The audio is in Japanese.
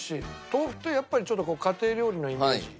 豆腐ってやっぱりちょっとこう家庭料理のイメージ。